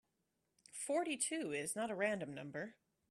Forty-two is not a random number.